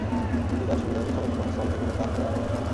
বিচার শুরুর আগে সবাইকে কর্মস্থল থেকে প্রত্যাহার করে আটক রাখা হয়।